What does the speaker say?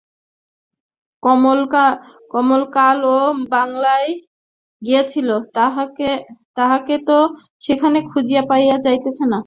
কমল কাল ও বাংলায় গিয়াছিল, তাহাকে তো সেখানে খুঁজিয়া পাওয়া যাইতেছে না।